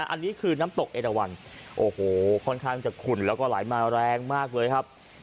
อันนี้คือน้ำตกเอราวันโอ้โหค่อนข้างจะขุ่นแล้วก็ไหลมาแรงมากเลยครับ